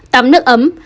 bốn tắm nước ấm